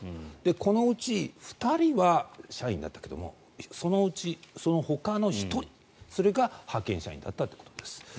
このうち２人は社員だったけどもそのうち、ほかの１人それが派遣社員だったと。